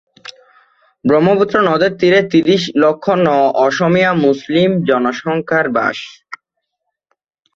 ব্রহ্মপুত্র নদের তীরে ত্রিশ লক্ষ ন-অসমীয়া মুসলিম জনসংখ্যার বাস।